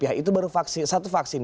itu baru satu vaksin